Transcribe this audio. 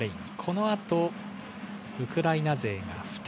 このあとウクライナ勢が２人。